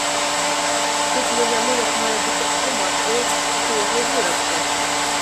Тут я яму як мае быць растлумачваю, што яго выракся.